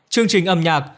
chương trình âm nhạc